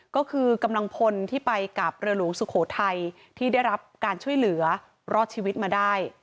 ก็คือกำลังพลที่ไปกับเรือหลวงสุโขทัยที่ได้รับการช่วยเหลือรอดชีวิตมาได้